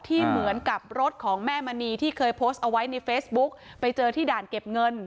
ที่เหมือนกับรถของแม่มณีที่เคยโพสต์เอาไว้ในเฟซบุ๊กไปเจอที่ด่านเก็บเงิน